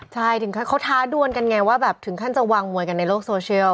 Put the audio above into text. ใช่ถึงเขาท้าดวนกันไงว่าแบบถึงขั้นจะวางมวยกันในโลกโซเชียล